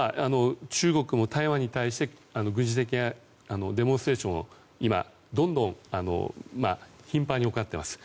中国も台湾に対して軍事的なデモンストレーションを今、どんどん頻繁に行っています。